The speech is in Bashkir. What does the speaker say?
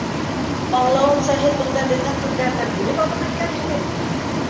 Аңлауымса, һеҙ бында беҙҙең ҡыҙҙары бүлеп алып бөткәнһегеҙ?